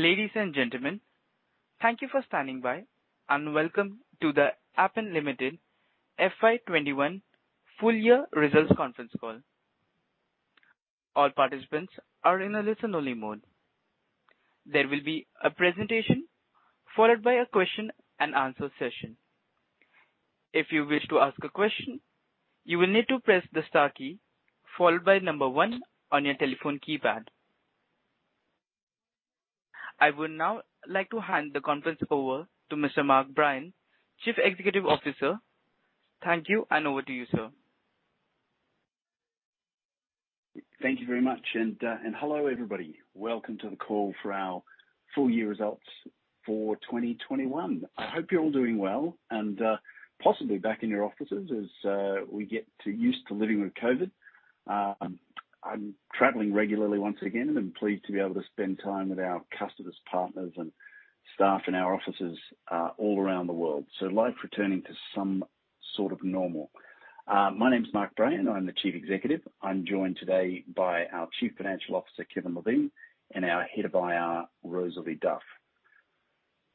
Ladies and gentlemen, thank you for standing by, and welcome to the Appen Limited FY 2021 full year results conference call. All participants are in a listen only mode. There will be a presentation followed by a question and answer session. If you wish to ask a question, you will need to press the star key followed by number one on your telephone keypad. I would now like to hand the conference over to Mr. Mark Brayan, Chief Executive Officer. Thank you, and over to you, sir. Thank you very much. Hello, everybody. Welcome to the call for our full year results for 2021. I hope you're all doing well and possibly back in your offices as we get used to living with COVID. I'm traveling regularly once again and am pleased to be able to spend time with our customers, partners and staff in our offices all around the world. Life's returning to some normal. My name's Mark Brayan, I'm the Chief Executive. I'm joined today by our Chief Financial Officer, Kevin Levine, and our Head of IR, Rosalie Duff.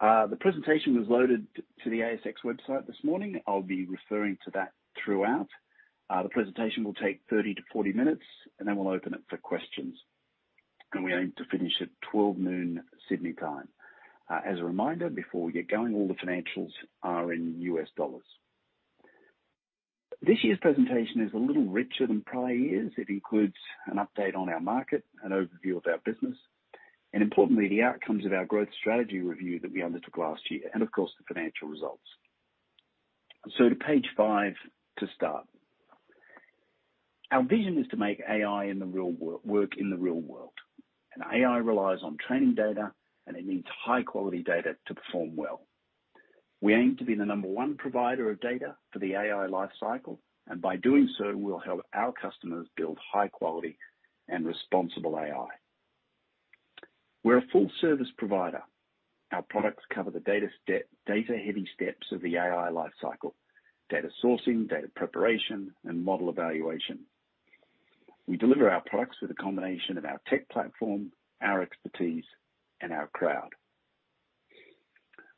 The presentation was loaded to the ASX website this morning. I'll be referring to that throughout. The presentation will take 30-40 minutes, and then we'll open it for questions. We aim to finish at 12:00 P.M. Sydney time. As a reminder, before we get going, all the financials are in US dollars. This year's presentation is a little richer than prior years. It includes an update on our market, an overview of our business, and importantly, the outcomes of our growth strategy review that we undertook last year, and of course, the financial results. To page five to start. Our vision is to make AI work in the real world, and AI relies on training data, and it needs high quality data to perform well. We aim to be the number one provider of data for the AI life cycle, and by doing so, we'll help our customers build high quality and responsible AI. We're a full service provider. Our products cover the data-heavy steps of the AI life cycle, data sourcing, data preparation, and model evaluation. We deliver our products with a combination of our tech platform, our expertise, and our crowd.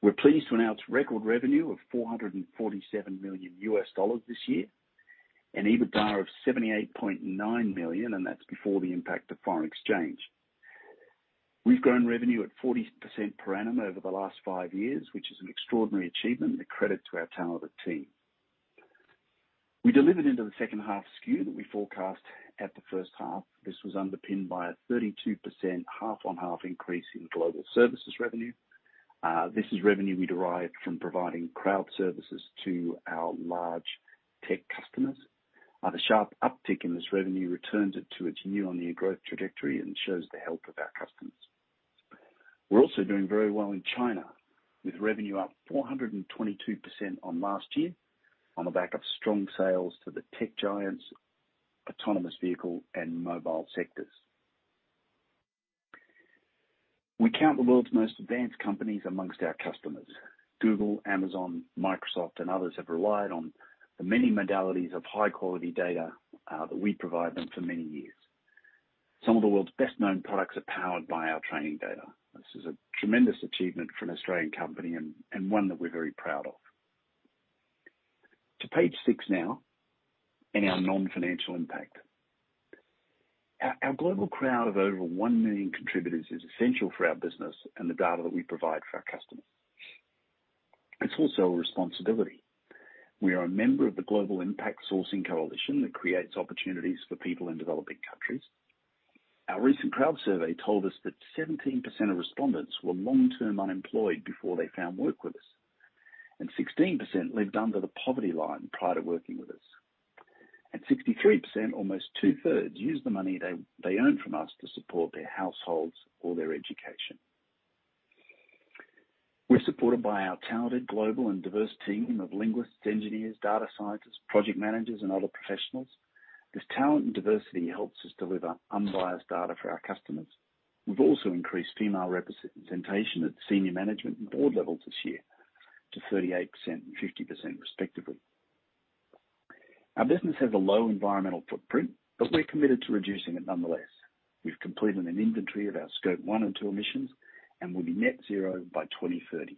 We're pleased to announce record revenue of $447 million this year, and EBITDA of $78.9 million, and that's before the impact of foreign exchange. We've grown revenue at 40% per annum over the last five years, which is an extraordinary achievement, a credit to our talented team. We delivered into the second half skew that we forecast at the first half. This was underpinned by a 32% half-on-half increase in global services revenue. This is revenue we derived from providing crowd services to our large tech customers. The sharp uptick in this revenue returns it to its year-on-year growth trajectory and shows the health of our customers. We're also doing very well in China, with revenue up 422% on last year on the back of strong sales to the tech giants, autonomous vehicle and mobile sectors. We count the world's most advanced companies amongst our customers. Google, Amazon, Microsoft and others have relied on the many modalities of high quality data that we provide them for many years. Some of the world's best known products are powered by our training data. This is a tremendous achievement for an Australian company and one that we're very proud of. To page six now, our non-financial impact. Our global crowd of over 1 million contributors is essential for our business and the data that we provide for our customers. It's also a responsibility. We are a member of the Global Impact Sourcing Coalition that creates opportunities for people in developing countries. Our recent crowd survey told us that 17% of respondents were long-term unemployed before they found work with us, and 16% lived under the poverty line prior to working with us. 63%, almost two-thirds, use the money they earn from us to support their households or their education. We're supported by our talented global and diverse team of linguists, engineers, data scientists, project managers and other professionals. This talent and diversity helps us deliver unbiased data for our customers. We've also increased female representation at senior management and board levels this year to 38% and 50% respectively. Our business has a low environmental footprint, but we're committed to reducing it nonetheless. We've completed an inventory of our Scope 1 and 2 emissions and will be net zero by 2030.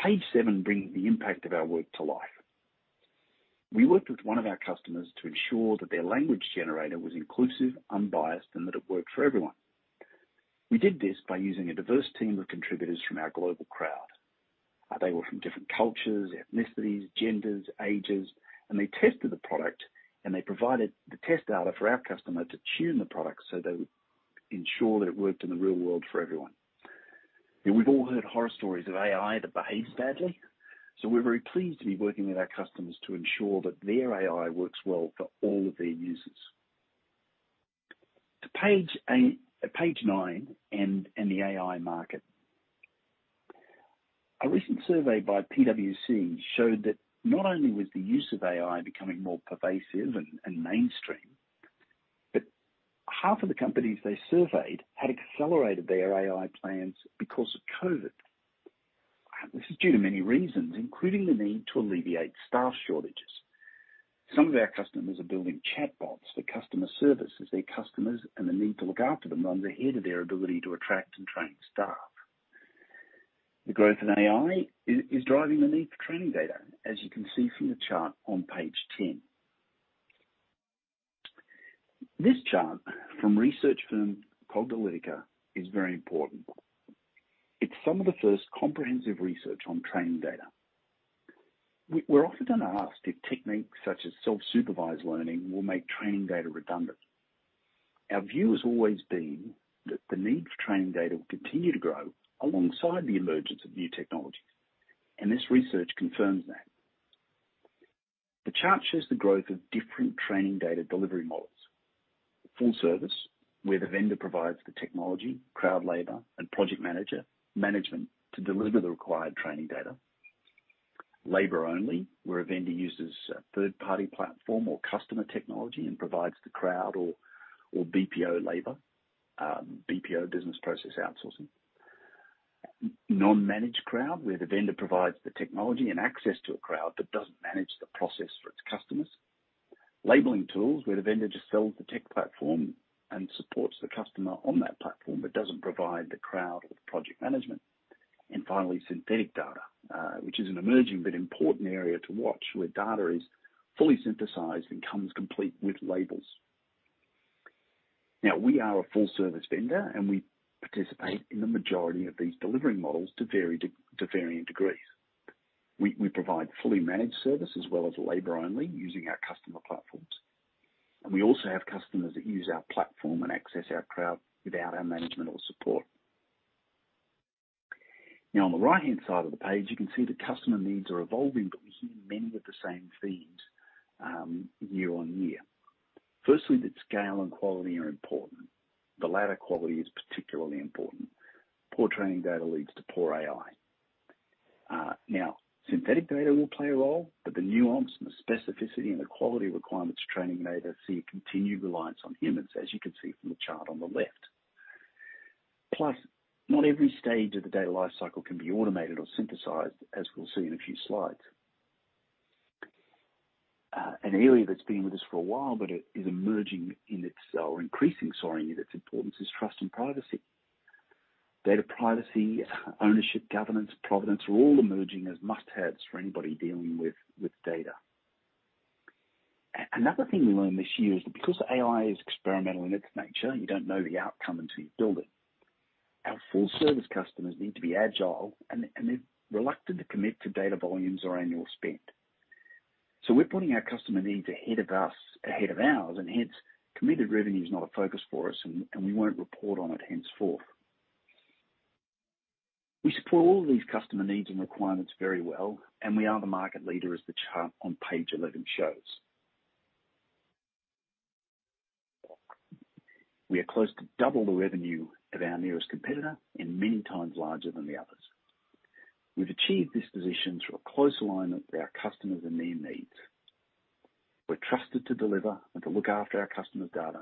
Page seven brings the impact of our work to life. We worked with one of our customers to ensure that their language generator was inclusive, unbiased, and that it worked for everyone. We did this by using a diverse team of contributors from our global crowd. They were from different cultures, ethnicities, genders, ages, and they tested the product and they provided the test data for our customer to tune the product so they would ensure that it worked in the real world for everyone. We've all heard horror stories of AI that behaves badly, so we're very pleased to be working with our customers to ensure that their AI works well for all of their users. To page nine and the AI market. A recent survey by PwC showed that not only was the use of AI becoming more pervasive and mainstream, but half of the companies they surveyed had accelerated their AI plans because of COVID. This is due to many reasons, including the need to alleviate staff shortages. Some of our customers are building chatbots for customer service as their customers and the need to look after them runs ahead of their ability to attract and train staff. The growth in AI is driving the need for training data, as you can see from the chart on page 10. This chart from research firm Cognilytica is very important. It's some of the first comprehensive research on training data. We're often asked if techniques such as self-supervised learning will make training data redundant. Our view has always been that the need for training data will continue to grow alongside the emergence of new technologies, and this research confirms that. The chart shows the growth of different training data delivery models. Full service, where the vendor provides the technology, crowd labor, and project manager management to deliver the required training data. Labor only, where a vendor uses a third-party platform or customer technology and provides the crowd or BPO labor. BPO business process outsourcing. Non-managed crowd, where the vendor provides the technology and access to a crowd but doesn't manage the process for its customers. Labeling tools, where the vendor just sells the tech platform and supports the customer on that platform, but doesn't provide the crowd or project management. Finally, synthetic data, which is an emerging but important area to watch, where data is fully synthesized and comes complete with labels. Now we are a full service vendor, and we participate in the majority of these delivery models to varying degrees. We provide fully managed service as well as labor only using our customer platforms. We also have customers that use our platform and access our crowd without our management or support. Now, on the right-hand side of the page, you can see that customer needs are evolving, but we hear many of the same themes, year on year. Firstly, that scale and quality are important. The latter quality is particularly important. Poor training data leads to poor AI. Now, synthetic data will play a role, but the nuance and the specificity and the quality requirements for training data see a continued reliance on humans, as you can see from the chart on the left. Plus, not every stage of the data lifecycle can be automated or synthesized, as we'll see in a few slides. An area that's been with us for a while, but it is emerging in its importance is trust and privacy. Data privacy, ownership, governance, provenance are all emerging as must-haves for anybody dealing with data. Another thing we learned this year is that because AI is experimental in its nature, you don't know the outcome until you build it. Our full service customers need to be agile, and they're reluctant to commit to data volumes or annual spend. We're putting our customer needs ahead of us, ahead of ours, and hence, committed revenue is not a focus for us and we won't report on it henceforth. We support all these customer needs and requirements very well, and we are the market leader as the chart on page 11 shows. We are close to double the revenue of our nearest competitor and many times larger than the others. We've achieved this position through a close alignment with our customers and their needs. We're trusted to deliver and to look after our customers' data.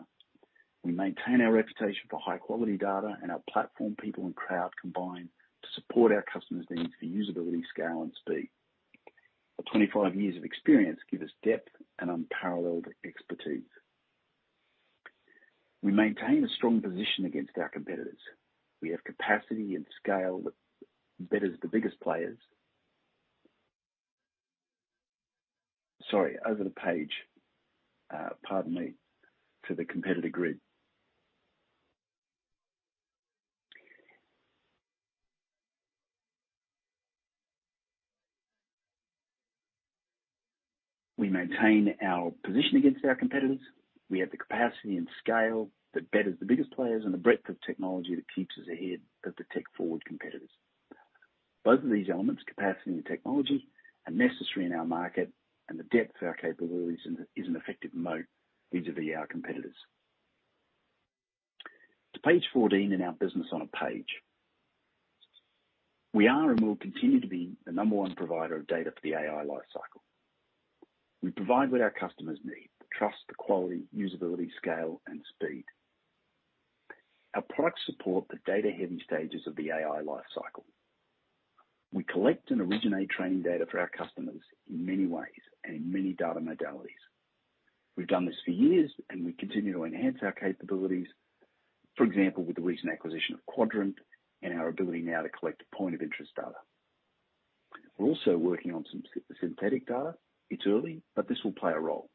We maintain our reputation for high quality data and our platform, people, and crowd combine to support our customers' needs for usability, scale, and speed. Our 25 years of experience give us depth and unparalleled expertise. We maintain a strong position against our competitors. We have capacity and scale that betters the biggest players. Sorry, over the page. Pardon me. To the competitor grid. We maintain our position against our competitors. We have the capacity and scale that betters the biggest players and the breadth of technology that keeps us ahead of the tech-forward competitors. Both of these elements, capacity and technology, are necessary in our market, and the depth of our capabilities is an effective moat vis-à-vis our competitors. To page 14 in our business on a page. We are and will continue to be the number one provider of data for the AI life cycle. We provide what our customers need trust, quality, usability, scale, and speed. Our products support the data-heavy stages of the AI life cycle. We collect and originate training data for our customers in many ways and in many data modalities. We've done this for years, and we continue to enhance our capabilities. For example, with the recent acquisition of Quadrant and our ability now to collect point of interest data. We're also working on some synthetic data. It's early, but this will play a role.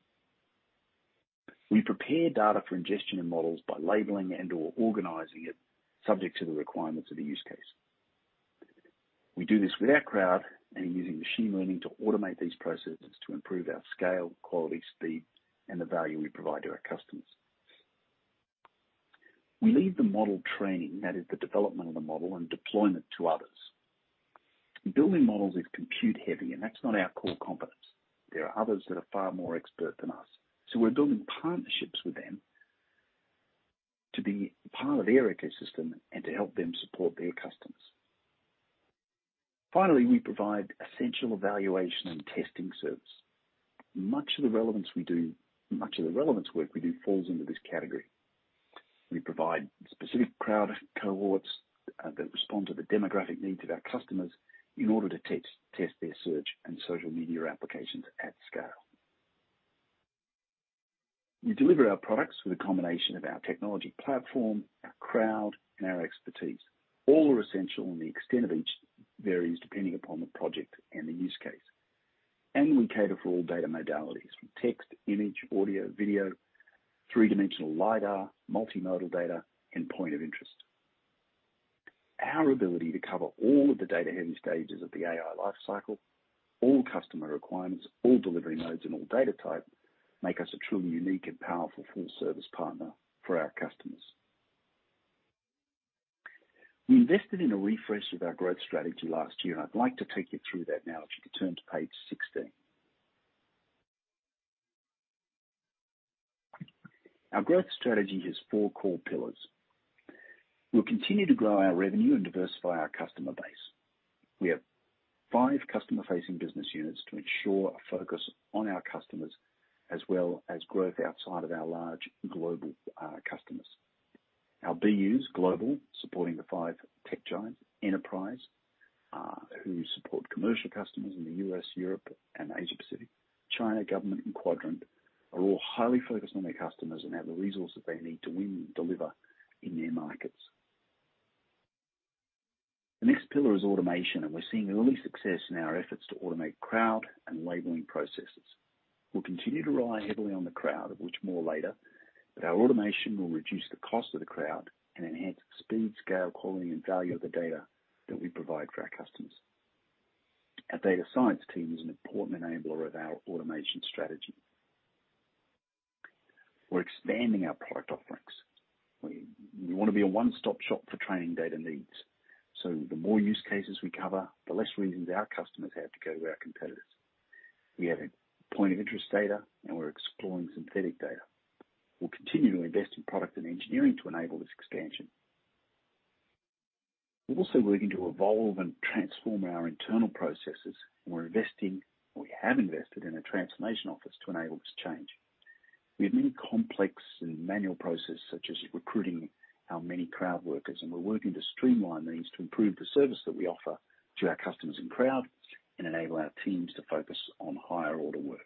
We prepare data for ingestion and models by labeling and/or organizing it subject to the requirements of the use case. We do this with our crowd and using machine learning to automate these processes to improve our scale, quality, speed, and the value we provide to our customers. We leave the model training, that is the development of the model and deployment to others. Building models is compute heavy, and that's not our core competence. There are others that are far more expert than us, so we're building partnerships with them to be part of their ecosystem and to help them support their customers. Finally, we provide essential evaluation and testing service. Much of the relevance work we do falls into this category. We provide specific crowd cohorts that respond to the demographic needs of our customers in order to test their search and social media applications at scale. We deliver our products with a combination of our technology platform, our crowd, and our expertise. All are essential, and the extent of each varies depending upon the project and the use case. We cater for all data modalities from text, image, audio, video, three-dimensional lidar, multimodal data, and point of interest. Our ability to cover all of the data-heavy stages of the AI life cycle, all customer requirements, all delivery modes, and all data type make us a truly unique and powerful full-service partner for our customers. We invested in a refresh of our growth strategy last year, and I'd like to take you through that now. If you could turn to page 16. Our growth strategy has four core pillars. We'll continue to grow our revenue and diversify our customer base. We have five customer-facing business units to ensure a focus on our customers, as well as growth outside of our large global customers. Our BUs global, supporting the five tech giants enterprise, who support commercial customers in the U.S., Europe, and Asia-Pacific. China government and Quadrant are all highly focused on their customers and have the resources they need to win and deliver in their markets. The next pillar is automation, and we're seeing early success in our efforts to automate crowd and labeling processes. We'll continue to rely heavily on the crowd, of which more later, but our automation will reduce the cost of the crowd and enhance the speed, scale, quality, and value of the data that we provide for our customers. Our data science team is an important enabler of our automation strategy. We're expanding our product offerings. We wanna be a one-stop-shop for training data needs, so the more use cases we cover, the less reasons our customers have to go to our competitors. We have point-of-interest data, and we're exploring synthetic data. We'll continue to invest in product and engineering to enable this expansion. We're also working to evolve and transform our internal processes. We're investing or we have invested in a transformation office to enable this change. We have many complex and manual processes such as recruiting our many crowd workers, and we're working to streamline these to improve the service that we offer to our customers and crowd and enable our teams to focus on higher order work.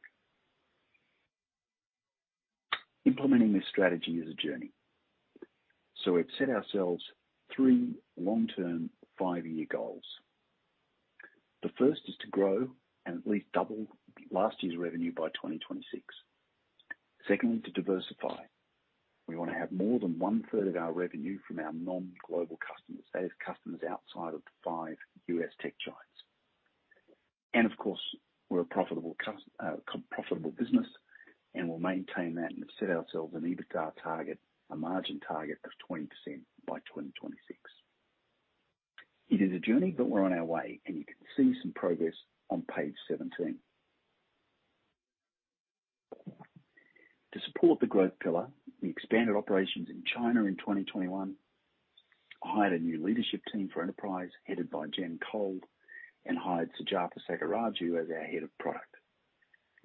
Implementing this strategy is a journey. We've set ourselves three long-term five-year goals. The first is to grow and at least double last year's revenue by 2026. Secondly, to diversify. We wanna have more than 1/3 of our revenue from our non-global customers, that is customers outside of the five U.S. tech giants. Of course, we're a profitable business, and we'll maintain that and set ourselves an EBITDA target, a margin target of 20% by 2026. It is a journey, but we're on our way and you can see some progress on page 17. To support the growth pillar, we expanded operations in China in 2021, hired a new leadership team for enterprise headed by Jen Cole, and hired Sujatha Sagiraju as our Head of Product.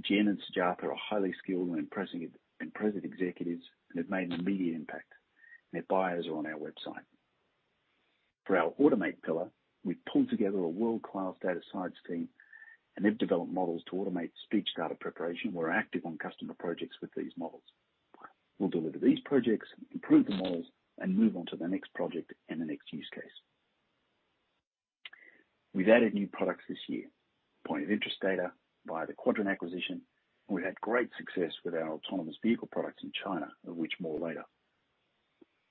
Jen and Sujatha are highly skilled and impressive executives and have made an immediate impact. Their bios are on our website. For our automate pillar, we've pulled together a world-class data science team, and they've developed models to automate speech data preparation. We're active on customer projects with these models. We'll deliver these projects, improve the models, and move on to the next project and the next use case. We've added new products this year. Point-of-interest data via the Quadrant acquisition, we've had great success with our autonomous vehicle products in China, of which more later.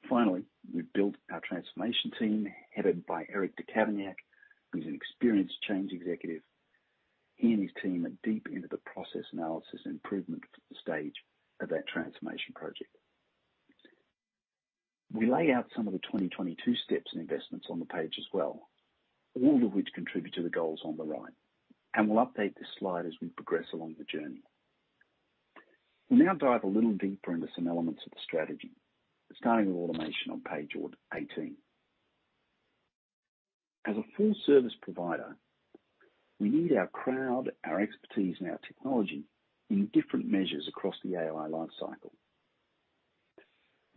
Finally, we've built our transformation team, headed by Eric DeCaux, who's an experienced change executive. He and his team are deep into the process analysis improvement stage of our transformation project. We lay out some of the 2022 steps and investments on the page as well, all of which contribute to the goals on the right. We'll update this slide as we progress along the journey. We now dive a little deeper into some elements of the strategy, starting with automation on page 18. As a full service provider, we need our crowd, our expertise, and our technology in different measures across the AI life cycle.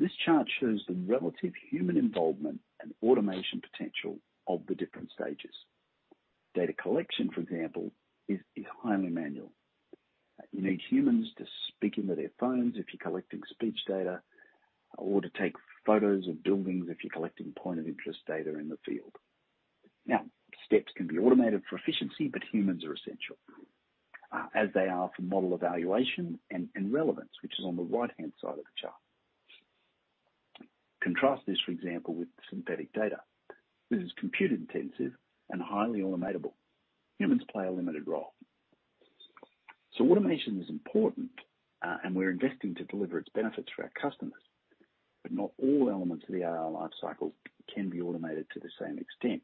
This chart shows the relative human involvement and automation potential of the different stages. Data collection, for example, is highly manual. You need humans to speak into their phones if you're collecting speech data, or to take photos of buildings if you're collecting point of interest data in the field. Now, steps can be automated for efficiency, but humans are essential, as they are for model evaluation and relevance, which is on the right-hand side of the chart. Contrast this, for example, with synthetic data. This is compute intensive and highly automatable. Humans play a limited role. Automation is important, and we're investing to deliver its benefits for our customers. Not all elements of the AI life cycle can be automated to the same extent.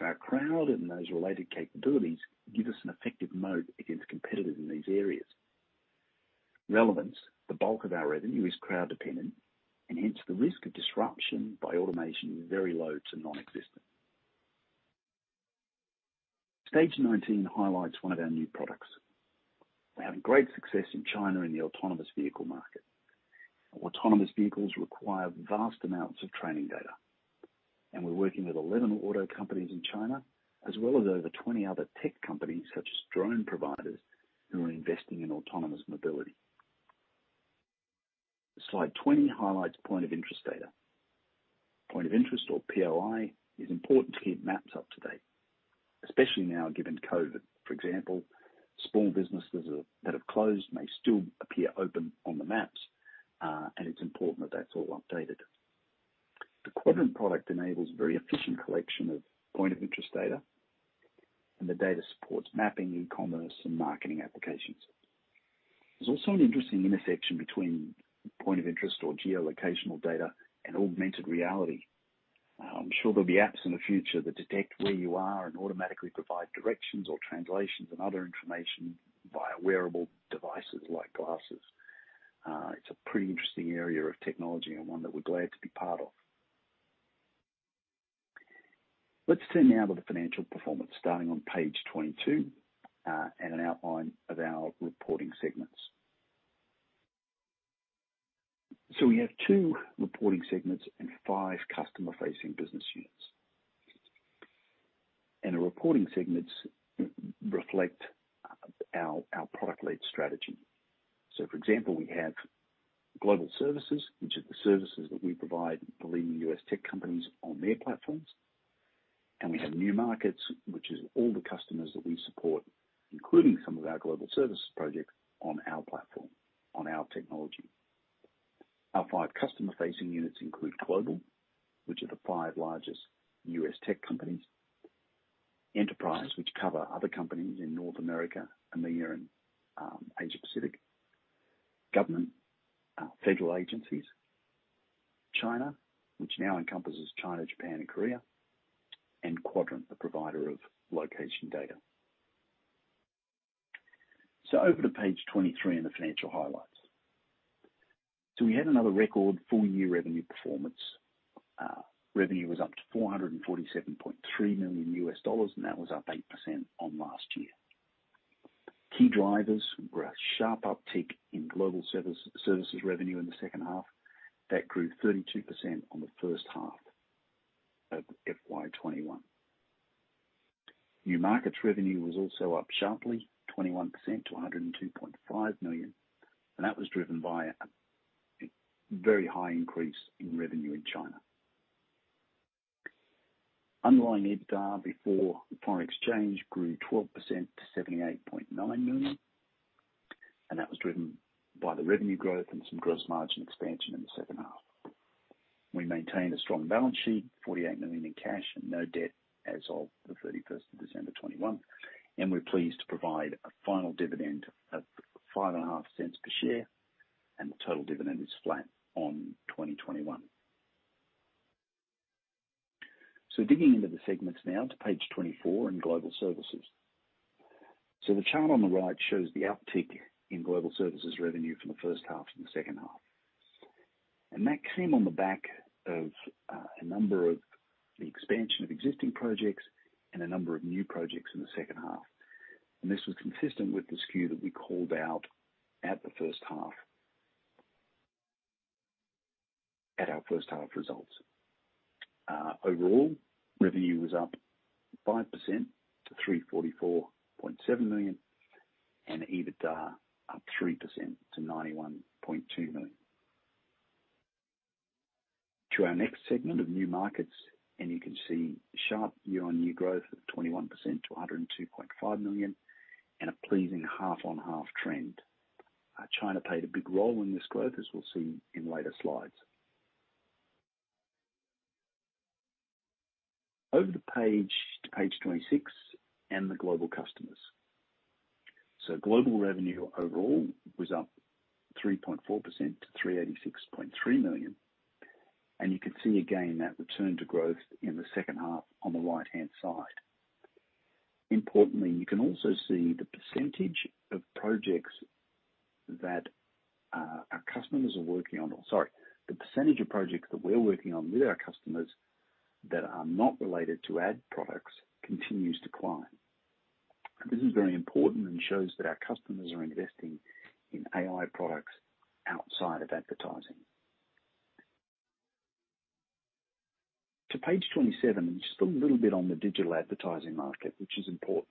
Our crowd and those related capabilities give us an effective moat against competitors in these areas. Relevance, the bulk of our revenue is crowd dependent, and hence the risk of disruption by automation is very low to non-existent. Page 19 highlights one of our new products. We're having great success in China in the autonomous vehicle market. Autonomous vehicles require vast amounts of training data, and we're working with 11 auto companies in China, as well as over 20 other tech companies, such as drone providers, who are investing in autonomous mobility. Slide 20 highlights point of interest data. Point of interest or POI is important to keep maps up to date, especially now given COVID. For example, small businesses that have closed may still appear open on the maps, and it's important that that's all updated. The Quadrant product enables very efficient collection of point of interest data, and the data supports mapping, e-commerce and marketing applications. There's also an interesting intersection between point of interest or geolocational data and augmented reality. I'm sure there'll be apps in the future that detect where you are and automatically provide directions or translations and other information via wearable devices like glasses. It's a pretty interesting area of technology and one that we're glad to be part of. Let's turn now to the financial performance starting on page 22 and an outline of our reporting segments. We have two reporting segments and five customer-facing business units. The reporting segments reflect our product-led strategy. For example, we have global services, which are the services that we provide the leading U.S. tech companies on their platforms. We have new markets, which is all the customers that we support, including some of our global services projects on our platform, on our technology. Our five customer-facing units include Global, which are the five largest U.S. tech companies. Enterprise, which cover other companies in North America, EMEA and Asia Pacific. Government, federal agencies. China, which now encompasses China, Japan and Korea and quadrant, the provider of location data. Over to page 23 and the financial highlights. We had another record full year revenue performance. Revenue was up to $447.3 million, and that was up 8% on last year. Key drivers were a sharp uptick in global services revenue in the second half that grew 32% on the first half of FY 2021. New markets revenue was also up sharply, 21% to $102.5 million, and that was driven by a very high increase in revenue in China. Underlying EBITDA before foreign exchange grew 12% to $78.9 million, and that was driven by the revenue growth and some gross margin expansion in the second half. We maintained a strong balance sheet, $48 million in cash and no debt as of December 31, 2021. We're pleased to provide a final dividend of $0.055 per share, and the total dividend is flat on 2021. Digging into the segments now to page 24 in global services. The chart on the right shows the uptick in global services revenue from the first half to the second half. That came on the back of a number of expansions of existing projects and a number of new projects in the second half. This was consistent with the skew that we called out at our first half results. Overall, revenue was up 5% to $344.7 million and EBITDA up 3% to $91.2 million. To our next segment of new markets, and you can see sharp year-on-year growth of 21% to $102.5 million and a pleasing half-on-half trend. China played a big role in this growth, as we'll see in later slides. Over the page to page 26 and the global customers. Global revenue overall was up 3.4% to $386.3 million. You can see again that return to growth in the second half on the right-hand side. Importantly, you can also see the percentage of projects that we're working on with our customers that are not related to ad products continues to climb. This is very important and shows that our customers are investing in AI products outside of advertising. To page 27 and just a little bit on the digital advertising market, which is important.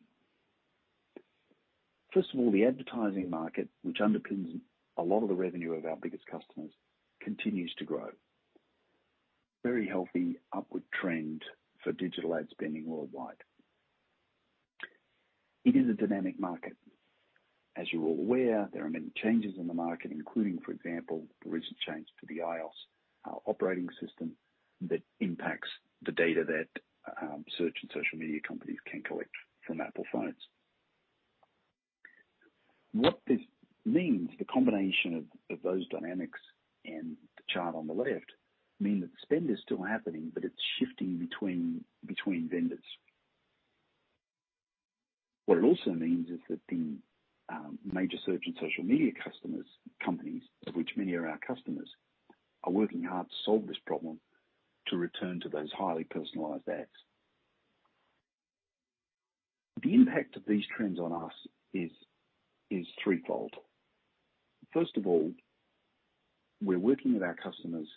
First of all, the advertising market, which underpins a lot of the revenue of our biggest customers, continues to grow. Very healthy upward trend for digital ad spending worldwide. It is a dynamic market. As you're all aware, there are many changes in the market, including, for example, the recent change to the iOS operating system that impacts the data that search and social media companies can collect from Apple phones. What this means, the combination of those dynamics and the chart on the left mean that spend is still happening, but it's shifting between vendors. What it also means is that the major search and social media customers, companies of which many are our customers, are working hard to solve this problem to return to those highly personalized ads. The impact of these trends on us is threefold. First of all, we're working with our customers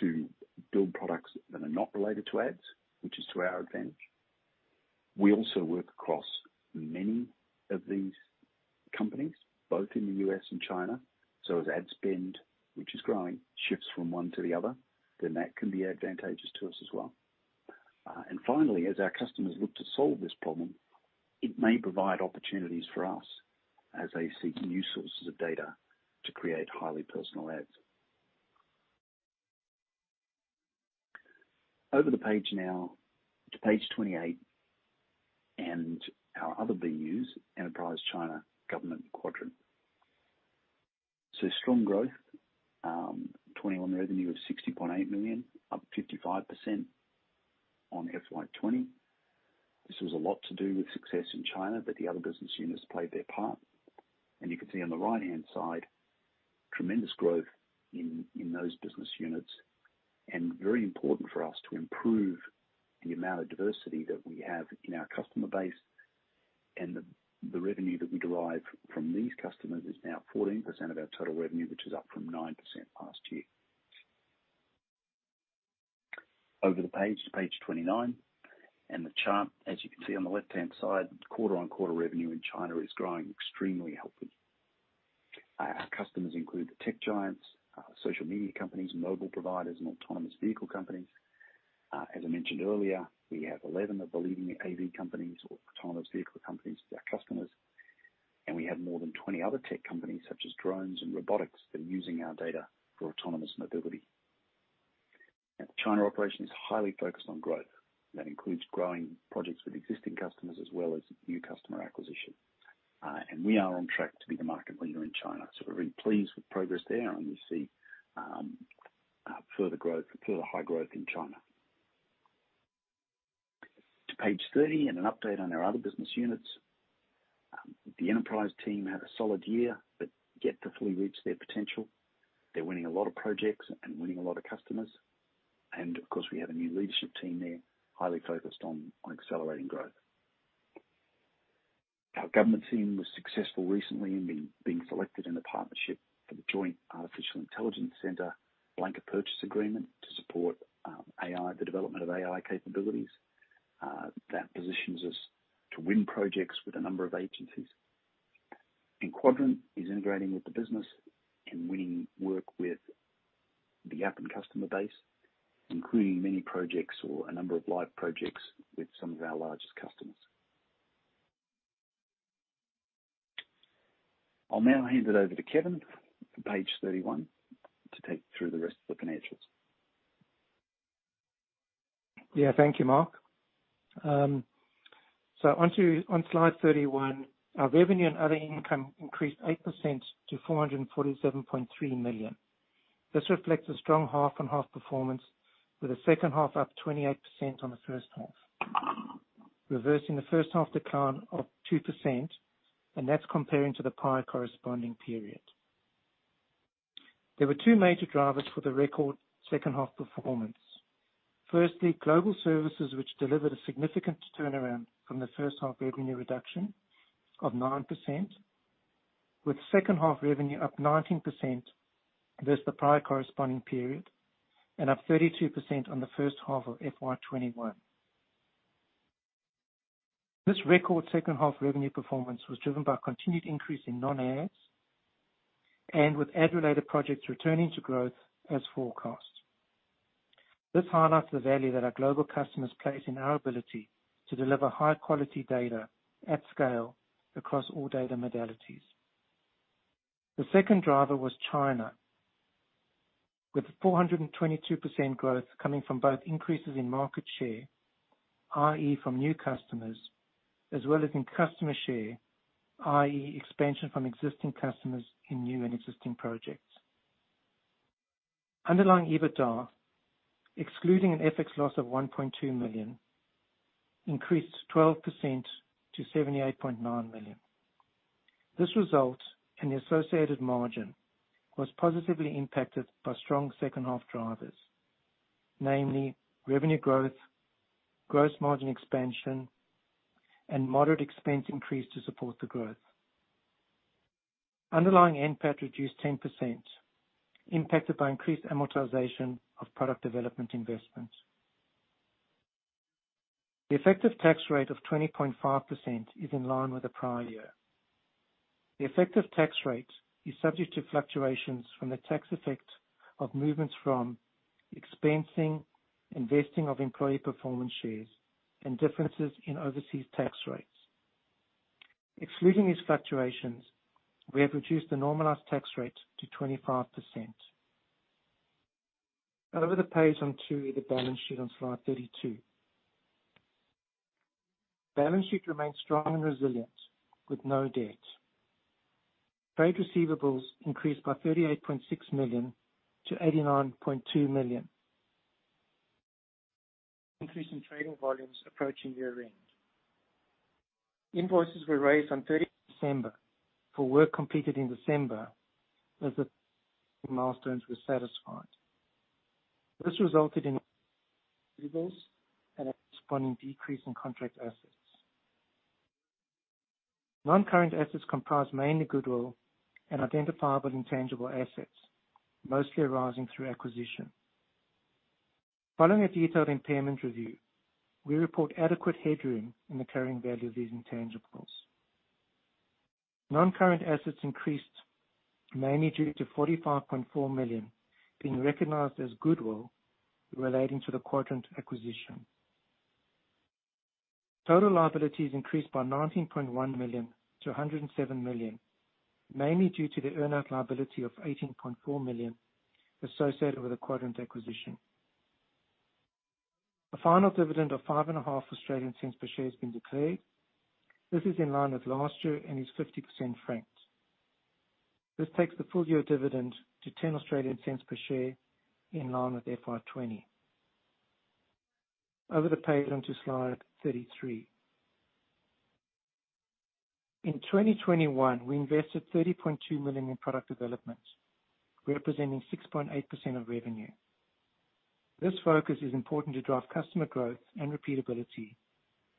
to build products that are not related to ads, which is to our advantage. We also work across many of these companies, both in the U.S. and China. As ad spend, which is growing, shifts from one to the other, then that can be advantageous to us as well. Finally, as our customers look to solve this problem, it may provide opportunities for us as they seek new sources of data to create highly personal ads. Over the page now to page 28 and our other BUs, Enterprise, China, Government, Quadrant. Strong growth, 2021 revenue of $60.8 million, up 55% on FY 2020. This was a lot to do with success in China, but the other business units played their part. You can see on the right-hand side, tremendous growth in those business units, and very important for us to improve the amount of diversity that we have in our customer base. The revenue that we derive from these customers is now 14% of our total revenue, which is up from 9% last year. Over the page to page 29, and the chart, as you can see on the left-hand side, quarter-on-quarter revenue in China is growing extremely healthy. Our customers include the tech giants, social media companies, mobile providers, and autonomous vehicle companies. As I mentioned earlier, we have 11 of the leading AV companies or autonomous vehicle companies as our customers. We have more than 20 other tech companies, such as drones and robotics, that are using our data for autonomous mobility. Now, the China operation is highly focused on growth. That includes growing projects with existing customers as well as new customer acquisition. We are on track to be the market leader in China. We're very pleased with progress there, and we see further growth, further high growth in China. Turn to page 30, an update on our other business units. The enterprise team had a solid year, but yet to fully reach their potential. They're winning a lot of projects and winning a lot of customers. Of course, we have a new leadership team there, highly focused on accelerating growth. Our government team was successful recently in being selected in the partnership for the Joint Artificial Intelligence Center blanket purchase agreement to support AI, the development of AI capabilities. That positions us to win projects with a number of agencies. Quadrant is integrating with the business and winning work with the Appen customer base, including many projects or a number of live projects with some of our largest customers. I'll now hand it over to Kevin for page 31 to take you through the rest of the financials. Yeah. Thank you, Mark. So on slide 31, our revenue and other income increased 8% to $447.3 million. This reflects a strong half-on-half performance with the second half up 28% on the first half. Reversing the first half decline of 2%, and that's comparing to the prior corresponding period. There were two major drivers for the record second-half performance. Firstly, global services, which delivered a significant turnaround from the first half revenue reduction of 9%, with second half revenue up 19% versus the prior corresponding period, and up 32% on the first half of FY 2021. This record second-half revenue performance was driven by continued increase in non-ads and with ad-related projects returning to growth as forecast. This highlights the value that our global customers place in our ability to deliver high quality data at scale across all data modalities. The second driver was China, with 422% growth coming from both increases in market share, i.e., from new customers, as well as in customer share, i.e., expansion from existing customers in new and existing projects. Underlying EBITDA, excluding an FX loss of $1.2 million, increased 12% to $78.9 million. This result and the associated margin was positively impacted by strong second half drivers, namely revenue growth, gross margin expansion, and moderate expense increase to support the growth. Underlying NPAT reduced 10%, impacted by increased amortization of product development investments. The effective tax rate of 20.5% is in line with the prior year. The effective tax rate is subject to fluctuations from the tax effect of movements from expensing, investing of employee performance shares, and differences in overseas tax rates. Excluding these fluctuations, we have reduced the normalized tax rate to 25%. Over the page on to the balance sheet on slide 32. Balance sheet remains strong and resilient with no debt. Trade receivables increased by $38.6 million to $89.2 million. Increase in trading volumes approaching year-end. Invoices were raised on 30 December for work completed in December as the milestones were satisfied. This resulted resulted in a corresponding decrease in contract assets. Non-current assets comprise mainly goodwill and identifiable intangible assets, mostly arising through acquisition. Following a detailed impairment review, we report adequate headroom in the carrying value of these intangibles. Non-current assets increased mainly due to $45.4 million being recognized as goodwill relating to the Quadrant acquisition. Total liabilities increased by $19.1 million to $107 million, mainly due to the earn-out liability of $18.4 million associated with the Quadrant acquisition. A final dividend of 5.5 Australian cents per share has been declared. This is in line with last year and is 50% franked. This takes the full-year dividend to 10 Australian cents per share in line with FY20. Over to page 33. In 2021, we invested $30.2 million in product development. representing 6.8% of revenue. This focus is important to drive customer growth and repeatability,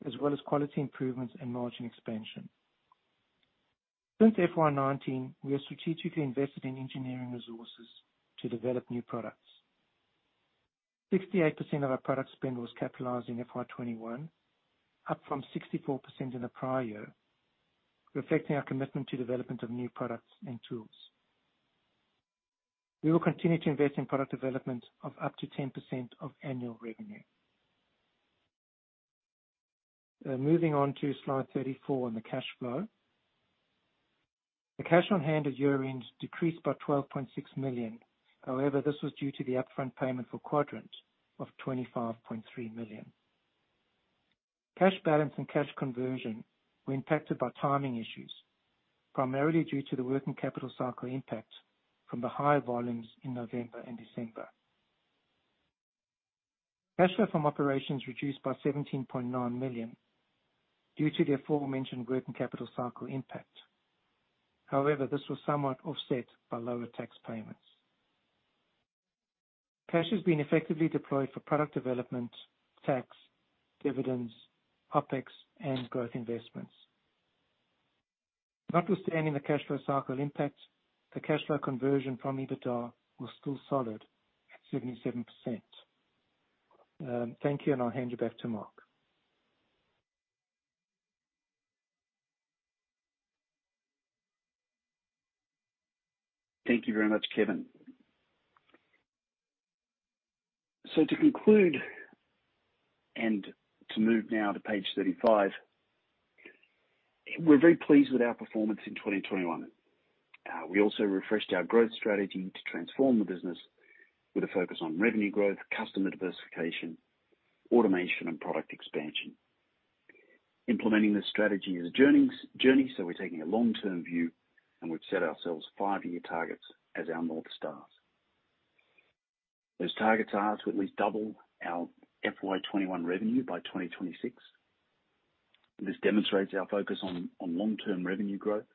as well as quality improvements and margin expansion. In FY19, we are strategically investing in engineering resources to develop new products. 68% of our product spend was capitalized in FY21, up from 64% in the prior year, reflecting our commitment to development of new products and tools. We will continue to invest in product development of up to 10% of annual revenue. Moving on to slide 34 and the cash flow. The cash on hand at year end decreased by $12.6 million. However, this was due to the upfront payment for Quadrant of $25.3 million. Cash balance and cash conversion were impacted by timing issues, primarily due to the working capital cycle impact from the higher volumes in November and December. Cash flow from operations reduced by $17.9 million due to the aforementioned working capital cycle impact. However, this was somewhat offset by lower tax payments. Cash has been effectively deployed for product development. Dividends, uptakes, and growth investments. Notwithstanding the cash flow cycle impact, the cash flow conversion from EBITDA was still solid at 67%. Thank you, and I'll hand you back to Mark.. Thank you very much, Kevin. To conclude, and to move now to page 35, we're very pleased with our performance in 2021. We also refreshed our growth strategy to transform the business with a focus on revenue growth, customer diversification, automation, and product expansion. Implementing this strategy is a journey, so we're taking a long-term view and we've set ourselves five-year targets as our North Stars. Those targets are to at least double our FY 2021 revenue by 2026. This demonstrates our focus on long-term revenue growth.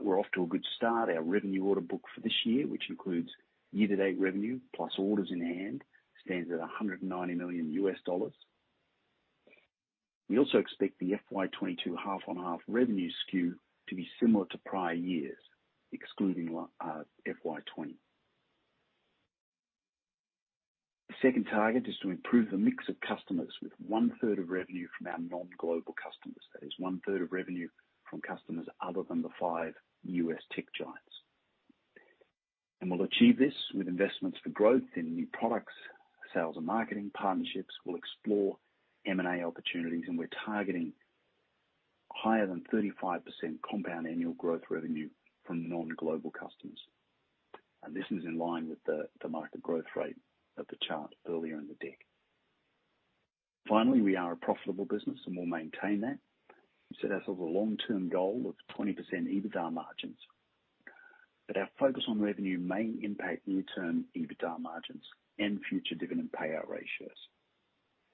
We're off to a good start. Our revenue order book for this year, which includes year-to-date revenue plus orders in hand, stands at $190 million. We also expect the FY 2022 half-on-half revenue skew to be similar to prior years, excluding FY 2020. The second target is to improve the mix of customers with 1/3 of revenue from our non-global customers. That is 1/3 of revenue from customers other than the five U.S. tech giants. We'll achieve this with investments for growth in new products, sales and marketing partnerships. We'll explore M&A opportunities, and we're targeting higher than 35% compound annual growth revenue from non-global customers. This is in line with the market growth rate of the chart earlier in the deck. Finally, we are a profitable business, and we'll maintain that. We set ourselves a long-term goal of 20% EBITDA margins. Our focus on revenue may impact near-term EBITDA margins and future dividend payout ratios.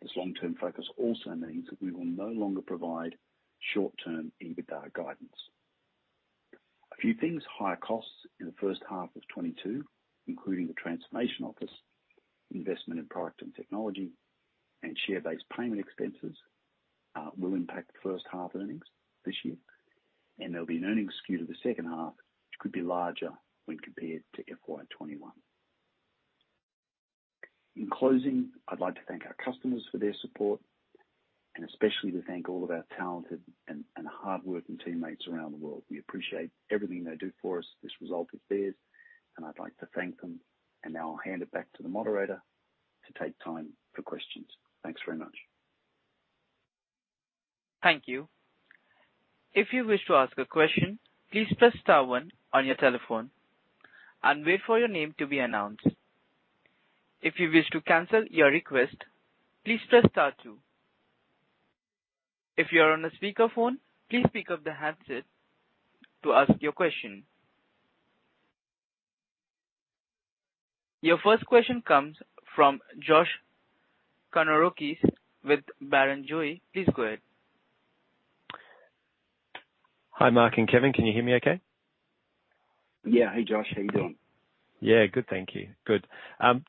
This long-term focus also means that we will no longer provide short-term EBITDA guidance. A few things, higher costs in the first half of 2022, including the transformation office, investment in product and technology, and share-based payment expenses, will impact first half earnings this year. There'll be an earnings skew to the second half, which could be larger when compared to FY 2021. In closing, I'd like to thank our customers for their support and especially to thank all of our talented and hardworking teammates around the world. We appreciate everything they do for us. This result is theirs, and I'd like to thank them. Now I'll hand it back to the moderator to take time for questions. Thanks very much. Thank you. If you wish to ask a question, please press star one on your telephone and wait for your name to be announced. If you wish to cancel your request, please press star two. If you are on a speakerphone, please pick up the handset to ask your question. Your first question comes from Josh Kannourakis with Barrenjoey. Please go ahead. Hi, Mark and Kevin. Can you hear me okay? Yeah. Hey, Josh, how you doing? Yeah, good. Thank you. Good.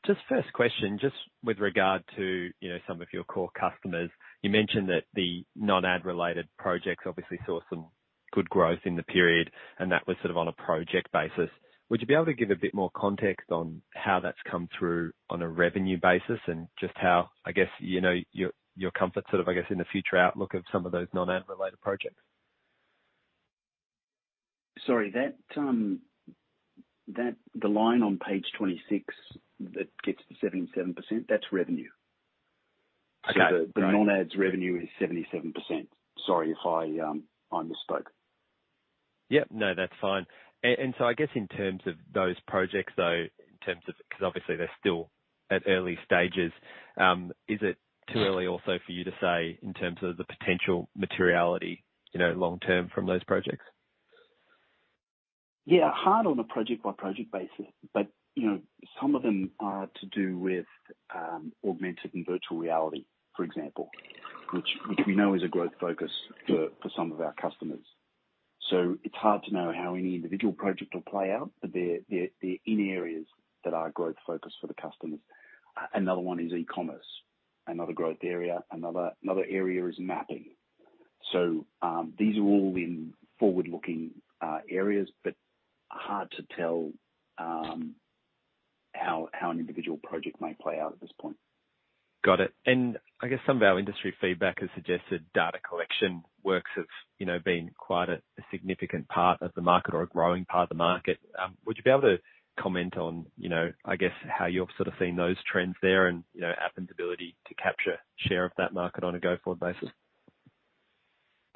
Just first question, just with regard to, you know, some of your core customers. You mentioned that the non-ad related projects obviously saw some good growth in the period, and that was on a project basis. Would you be able to give a bit more context on how that's come through on a revenue basis and just how, I guess, you know, your comfort, I guess, in the future outlook of some of those non-ad related projects? Sorry, the line on page 26 that gets to 77%, that's revenue. Okay. The non-ads revenue is 77%. Sorry if I misspoke. Yep. No, that's fine. I guess in terms of those projects, though, 'cause obviously they're still at early stages, is it too early also for you to say in terms of the potential materiality, you know, long term from those projects? Yeah, it's hard on a project by project basis. You know, some of them are to do with augmented and virtual reality, for example, which we know is a growth focus for some of our customers. It's hard to know how any individual project will play out, but they're in areas that are growth focus for the customers. Another one is e-commerce, another growth area. Another area is mapping. These are all in forward-looking areas, but hard to tell how an individual project may play out at this point. Got it. I guess some of our industry feedback has suggested data collection works have, you know, been quite a significant part of the market or a growing part of the market. Would you be able to comment on, you know, I guess, how you've seen those trends there and, you know, Appen's ability to capture share of that market on a go-forward basis?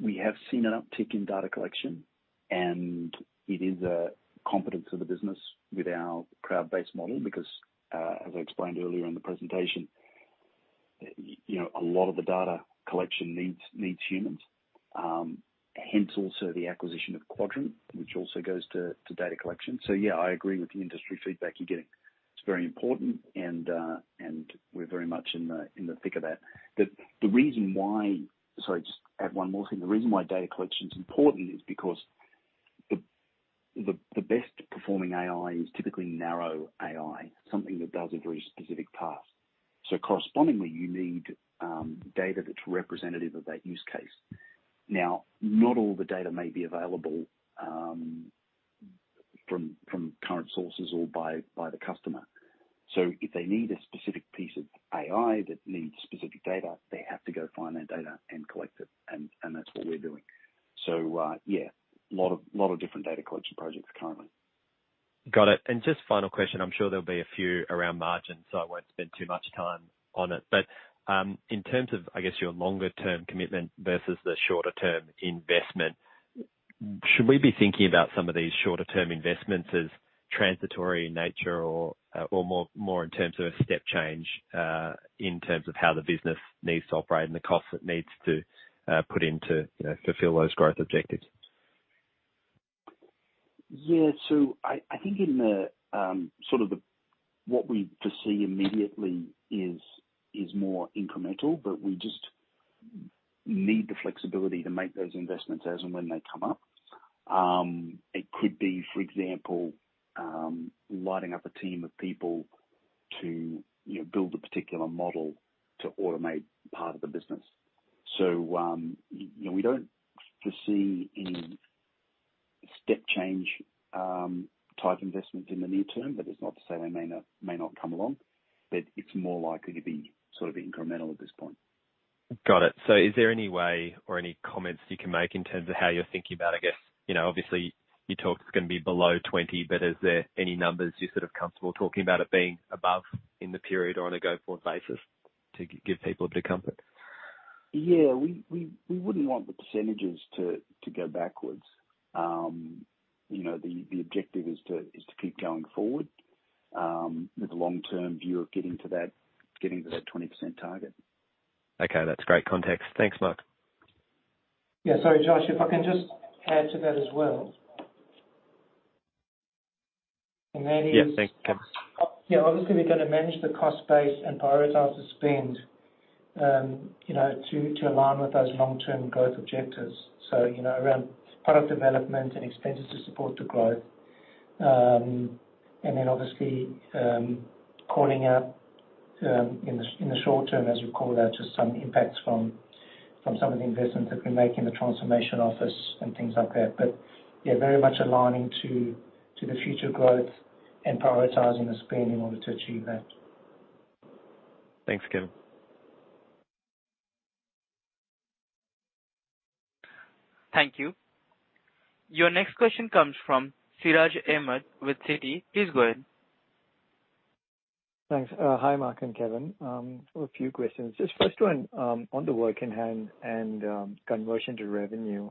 We have seen an uptick in data collection, and it is a competence of the business with our crowd-based model because, as I explained earlier in the presentation, you know, a lot of the data collection needs humans. Hence also the acquisition of Quadrant, which also goes to data collection. Yeah, I agree with the industry feedback you're getting. It's very important and we're very much in the thick of that. The reason why. Sorry, just add one more thing. The reason why data collection is important is because the best performing AI is typically narrow AI, something that does a very specific task. Correspondingly, you need data that's representative of that use case. Now, not all the data may be available from current sources or by the customer. If they need a specific piece of AI that needs specific data, they have to go find that data and collect it, and that's what we're doing. Yeah, lot of different data collection projects currently. Got it. Just final question, I'm sure there'll be a few around margins, so I won't spend too much time on it. In terms of, I guess, your longer term commitment versus the shorter term investment, should we be thinking about some of these shorter term investments as transitory in nature or more in terms of a step change in terms of how the business needs to operate and the costs it needs to put in to, you know, fulfill those growth objectives? I think what we foresee immediately is more incremental, but we just need the flexibility to make those investments as and when they come up. It could be, for example, lighting up a team of people to, you know, build a particular model to automate part of the business. You know, we don't foresee any step change type investment in the near term, but it's not to say they may not come along, but it's more likely to be incremental at this point. Got it. Is there any way or any comments you can make in terms of how you're thinking about, I guess, you know, obviously you talked it's gonna be below 20%, but is there any numbers you're comfortable talking about it being above in the period or on a go-forward basis to give people a bit of comfort? Yeah. We wouldn't want the percentages to go backwards. You know, the objective is to keep going forward with a long-term view of getting to that 20% target. Okay. That's great context. Thanks, Mark. Yeah. Sorry, Josh, if I can just add to that as well. That is Yeah. Thanks, Kevin. Yeah. Obviously we're gonna manage the cost base and prioritize the spend, you know, to align with those long-term growth objectives. You know, around product development and expenses to support the growth. And then obviously, calling out in the short term, as we call out, just some impacts from some of the investments that we make in the transformation office and things like that. Yeah, very much aligning to the future growth and prioritizing the spend in order to achieve that. Thanks, Kevin. Thank you. Your next question comes from Siraj Ahmed with Citi. Please go ahead. Thanks. Hi, Mark and Kevin. A few questions. Just first one, on the work in hand and conversion to revenue.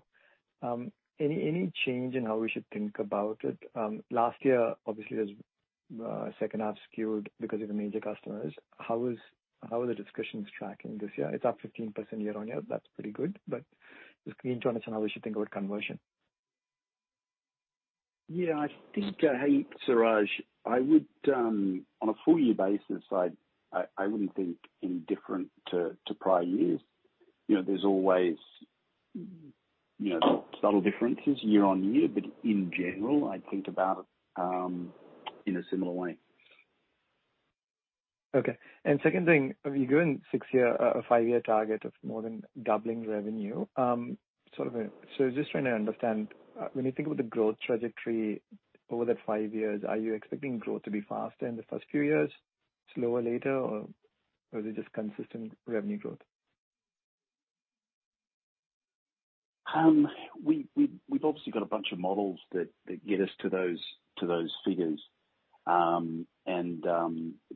Any change in how we should think about it? Last year, obviously it was second half skewed because of the major customers. How are the discussions tracking this year? It's up 15% year-over-year. That's pretty good. Just keen to understand how we should think about conversion. Yeah, I think, hey, Siraj, I would on a full year basis, I wouldn't think any different to prior years. You know, there's always, you know, subtle differences year on year. In general, I'd think about it in a similar way. Okay. Second thing, you're giving five-year target of more than doubling revenue. Just trying to understand, when you think about the growth trajectory over that five years, are you expecting growth to be faster in the first few years, slower later, or is it just consistent revenue growth? We've obviously got a bunch of models that get us to those figures.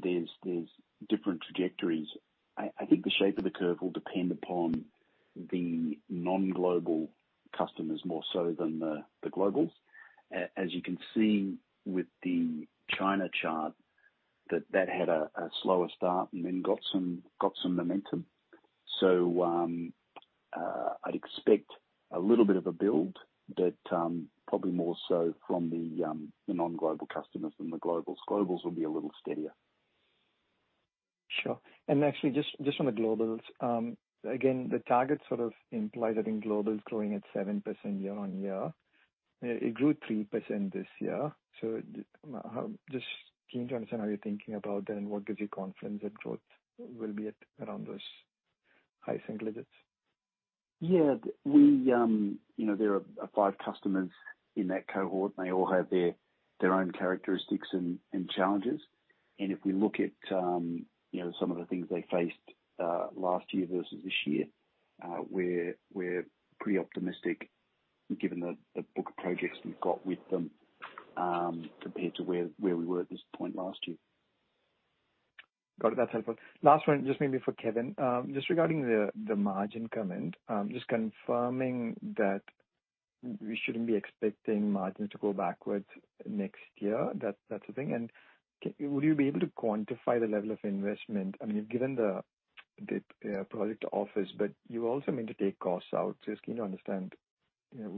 There's different trajectories. I think the shape of the curve will depend upon the non-global customers more so than the globals. As you can see with the China chart that had a slower start and then got some momentum. I'd expect a little bit of a build, but probably more so from the non-global customers than the globals. Globals will be a little steadier. Sure. Actually, just on the globals, again, the target implies that in global is growing at 7% year-on-year. It grew 3% this year. Just keen to understand how you're thinking about that and what gives you confidence that growth will be at around those high single digits%. Yeah. We, you know, there are five customers in that cohort, and they all have their own characteristics and challenges. If we look at, you know, some of the things they faced, last year versus this year, we're pretty optimistic given the book of projects we've got with them, compared to where we were at this point last year. Got it. That's helpful. Last one, just maybe for Kevin. Just regarding the margin comment, just confirming that we shouldn't be expecting margins to go backwards next year. That's the thing. Would you be able to quantify the level of investment? I mean, given the project office, but you also need to take costs out. Just keen to understand, you know,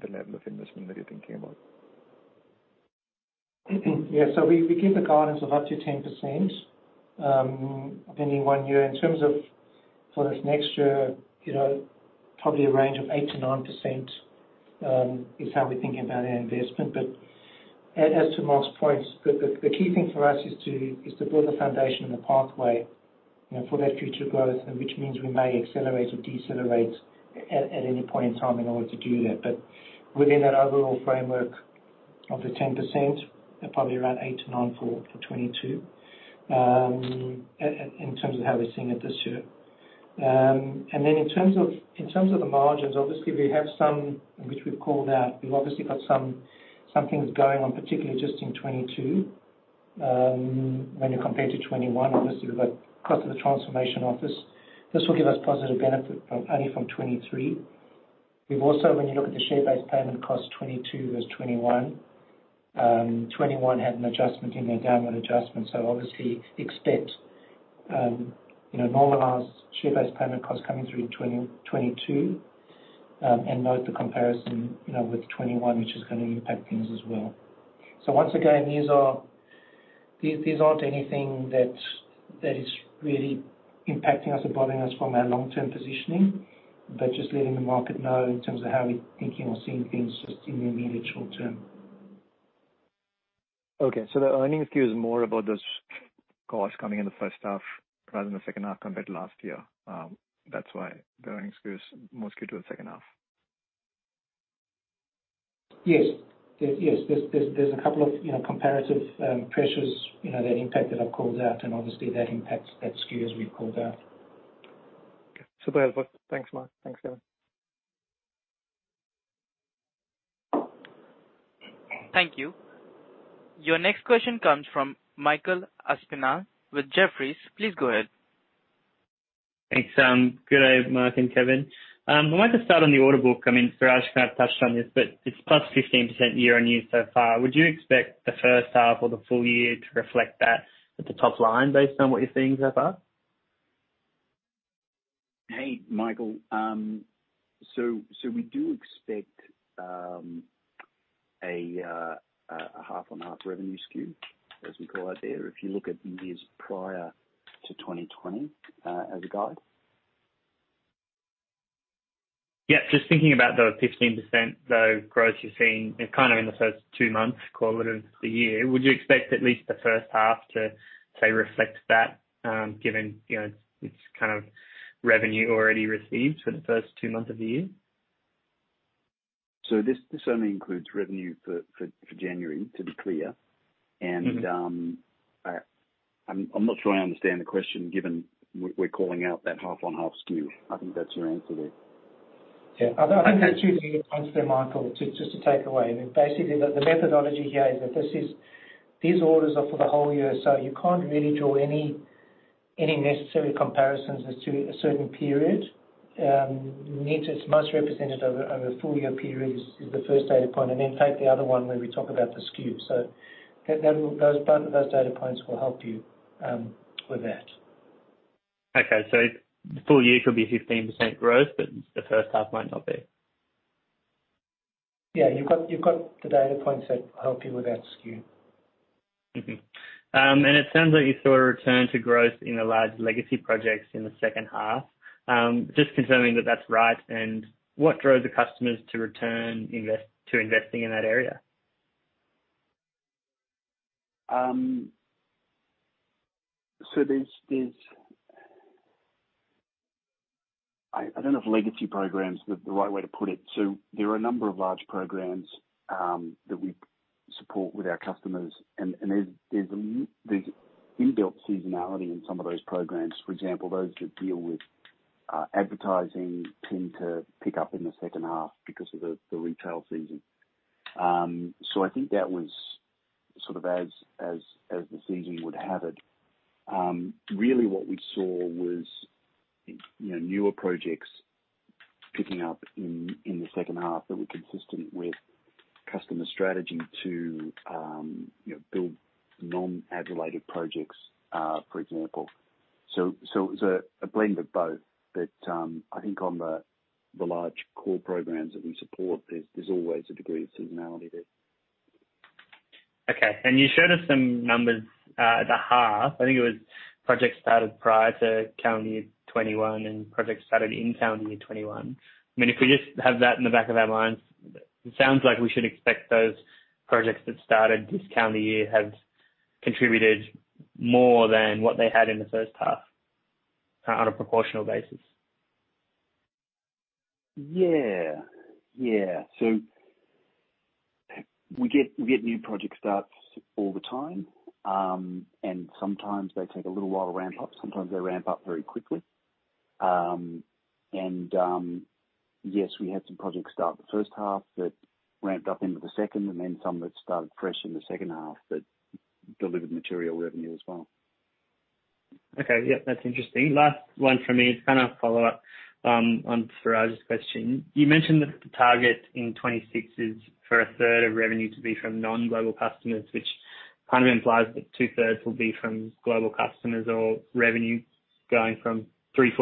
the level of investment that you're thinking about. Yeah. We give the guidance of up to 10% of any one year. In terms of for this next year, you know, probably a range of 8%-9% is how we're thinking about our investment. As to Mark's point, the key thing for us is to build a foundation and a pathway, you know, for that future growth, and which means we may accelerate or decelerate at any point in time in order to do that. Within that overall framework of the 10%, probably around 8%-9% for 2022 in terms of how we're seeing it this year. In terms of the margins, obviously we have some which we've called out. We've obviously got some things going on, particularly just in 2022. When you compare to 2021, obviously we've got cost of the transformation office. This will give us positive benefit only from 2023. We've also, when you look at the share-based payment cost, 2022 versus 2021 had an adjustment in their downward adjustment. Obviously expect you know normalized share-based payment costs coming through in 2022 and note the comparison you know with 2021, which is gonna impact things as well. Once again, these aren't anything that is really impacting us or bothering us from our long-term positioning, but just letting the market know in terms of how we're thinking or seeing things just in the immediate short term. Okay. The earnings skew is more about those costs coming in the first half rather than the second half compared to last year. That's why the earnings skew is more skewed to the second half. Yes. There's a couple of, you know, comparative pressures, you know, that impact that I've called out and obviously that impacts that skew as we've called out. Okay. Super helpful. Thanks, Mark. Thanks, Kevin. Thank you. Your next question comes from Michael Aspinall with Jefferies. Please go ahead. Thanks. Good day, Mark and Kevin. I'd like to start on the order book. I mean, Siraj touched on this, but it's +15% year-on-year so far. Would you expect the first half or the full year to reflect that at the top line based on what you're seeing so far? Hey, Michael. We do expect a half-on-half revenue skew, as we call it there, if you look at years prior to 2020, as a guide. Yeah. Just thinking about the 15%, though, growth you're seeing in the first two months, call it, of the year. Would you expect at least the first half to, say, reflect that, given, you know, it's revenue already received for the first two months of the year? This only includes revenue for January, to be clear. Mm-hmm. I'm not sure I understand the question given we're calling out that half-on-half skew. I think that's your answer there. Yeah. Okay. I think there are two data points there, Michael, just to take away. Basically, the methodology here is that these orders are for the whole year, so you can't really draw any necessary comparisons as to a certain period, it is most representative over a full year period, [that] is the first data point, and then take the other one where we talk about the skew. Both those data points will help you with that. Okay. The full year could be a 15% growth, but the first half might not be. Yeah, you've got the data points that help you with that skew. It sounds like you saw a return to growth in the large legacy projects in the second half. Just confirming that that's right. What drove the customers to return to investing in that area? I don't know if legacy program is the right way to put it. There are a number of large programs that we support with our customers. There's built-in seasonality in some of those programs. For example, those that deal with advertising tend to pick up in the second half because of the retail season. I think that was as the season would have it. Really what we saw was, you know, newer projects picking up in the second half that were consistent with customer strategy to, you know, build non-ad related projects, for example. It was a blend of both. I think on the large core programs that we support, there's always a degree of seasonality there. Okay. You showed us some numbers at the half. I think it was projects started prior to calendar year 2021 and projects started in calendar year 2021. I mean, if we just have that in the back of our minds, it sounds like we should expect those projects that started this calendar year have contributed more than what they had in the first half on a proportional basis. Yeah. We get new project starts all the time. Sometimes they take a little while to ramp up, sometimes they ramp up very quickly. Yes, we had some projects start the first half that ramped up into the second, and then some that started fresh in the second half that delivered material revenue as well. Okay. Yep, that's interesting. Last one from me is kinda follow up on Siraj's question. You mentioned that the target in 2026 is for 1/3 of revenue to be from non-global customers, which implies that 2/3 will be from global customers or revenue going from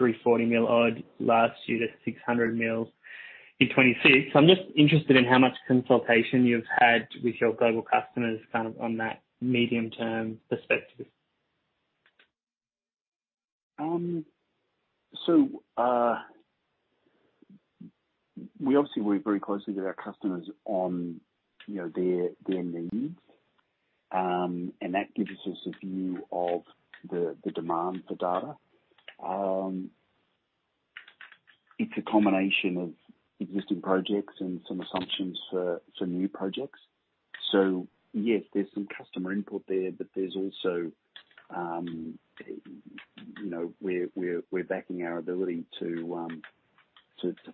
$340 million odd last year to $600 million in 2026. I'm just interested in how much consultation you've had with your global customers on that medium term perspective. We obviously work very closely with our customers on, you know, their needs. That gives us a view of the demand for data. It's a combination of existing projects and some assumptions for some new projects. Yes, there's some customer input there, but there's also, you know, we're backing our ability to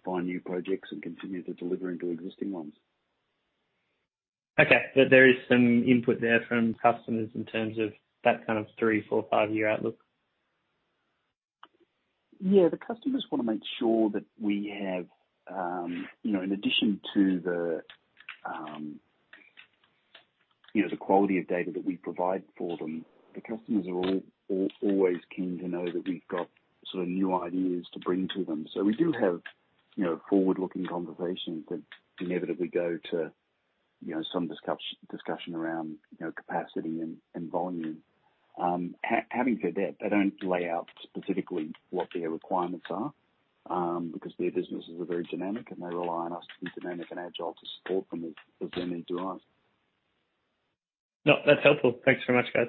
find new projects and continue to deliver into existing ones. Okay. There is some input there from customers in terms of that 3, 4, 5-year outlook? Yeah. The customers wanna make sure that we have, you know, in addition to the, you know, the quality of data that we provide for them. The customers are always keen to know that we've got new ideas to bring to them. We do have, you know, forward-looking conversations that inevitably go to, you know, some discussion around, you know, capacity and volume. Having said that, they don't lay out specifically what their requirements are, because their businesses are very dynamic, and they rely on us to be dynamic and agile to support them as they need us to. No, that's helpful. Thanks very much, guys.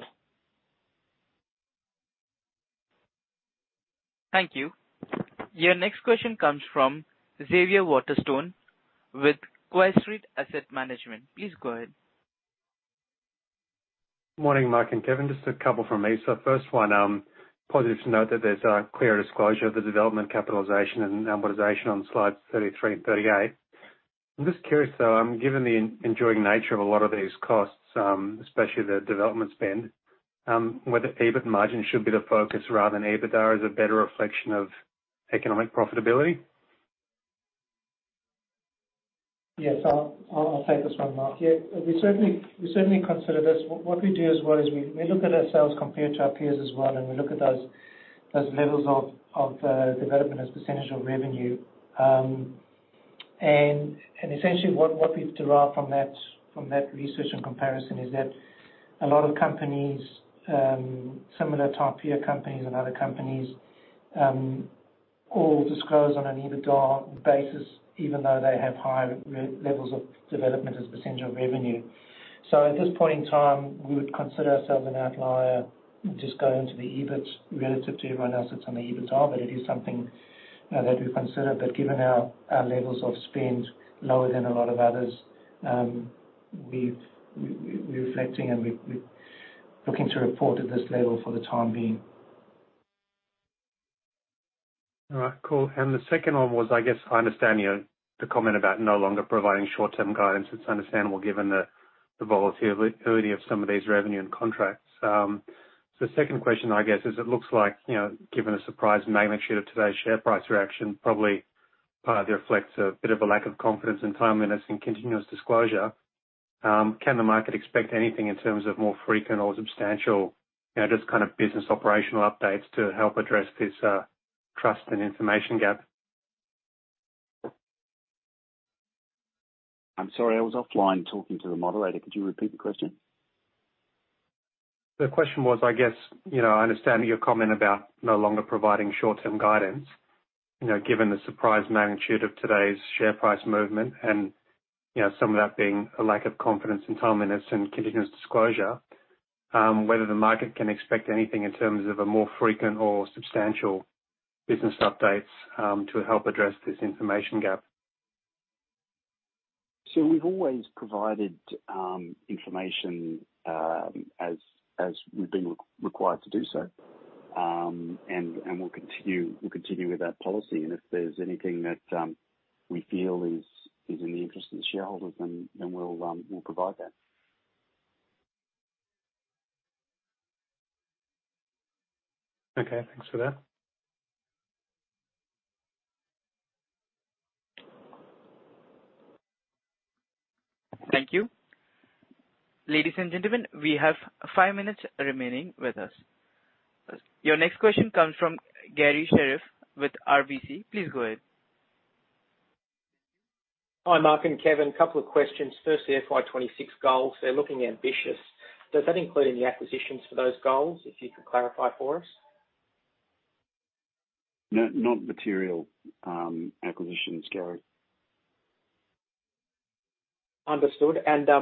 Thank you. Your next question comes from Xavier Waterstone with QuayStreet Asset Management. Please go ahead. Morning, Mark and Kevin. Just a couple from me. First one, positive to note that there's a clear disclosure of the development capitalization and amortization on slides 33 and 38. I'm just curious, though, given the enduring nature of a lot of these costs, especially the development spend, whether EBIT margin should be the focus rather than EBITDA as a better reflection of economic profitability? Yes. I'll take this one, Mark. Yeah. We certainly consider this. What we do as well is we look at ourselves compared to our peers as well, and we look at those levels of development as percentage of revenue. Essentially what we've derived from that research and comparison is that a lot of companies, similar type peer companies and other companies, all disclose on an EBITDA basis, even though they have higher levels of development as a percentage of revenue. At this point in time, we would consider ourselves an outlier just going to the EBIT relative to everyone else that's on the EBITDA. It is something that we consider. Given our levels of spend lower than a lot of others, we've... We're reflecting and we're looking to report at this level for the time being. All right. Cool. The second one was, I guess I understand, you know, the comment about no longer providing short-term guidance. It's understandable given the volatility of some of these revenue and contracts. Second question, I guess is it looks like, you know, given a surprise magnitude of today's share price reaction, probably partly reflects a bit of a lack of confidence and timeliness in continuous disclosure. Can the market expect anything in terms of more frequent or substantial, you know, just business operational updates to help address this trust and information gap? I'm sorry, I was offline talking to the moderator. Could you repeat the question? The question was, I guess, you know, understanding your comment about no longer providing short-term guidance, you know, given the surprise magnitude of today's share price movement and, you know, some of that being a lack of confidence and timeliness in continuous disclosure, whether the market can expect anything in terms of a more frequent or substantial business updates, to help address this information gap. We've always provided information as we've been required to do so. We'll continue with that policy. If there's anything that we feel is in the interest of the shareholders, then we'll provide that. Okay. Thanks for that. Thank you. Ladies and gentlemen, we have five minutes remaining with us. Your next question comes from Garry Sherriff with RBC. Please go ahead. Hi, Mark and Kevin. A couple of questions. First, the FY 2026 goals, they're looking ambitious. Does that include any acquisitions for those goals? If you could clarify for us. No, not material acquisitions, Garry. Understood.